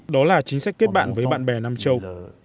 đó là chính sách kết bạn với bạn bè nam châu